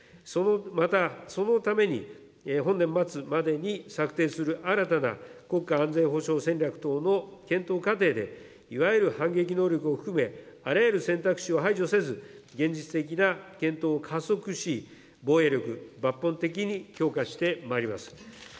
またそのために、本年末までに策定する、新たな国家安全保障戦略等の検討過程で、いわゆる反撃能力を含め、あらゆる選択肢を排除せず、現実的な検討を加速し、防衛力、抜本的に強化してまいります。